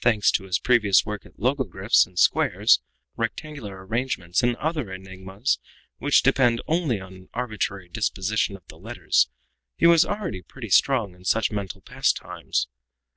Thanks to his previous work at logogryphs and squares, rectangular arrangements and other enigmas, which depend only on an arbitrary disposition of the letters, he was already pretty strong in such mental pastimes.